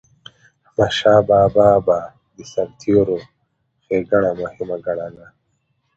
احمدشاه بابا به د سرتيرو ښيګڼه مهمه ګڼله.